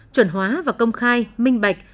chuẩn hóa và công khai minh bạch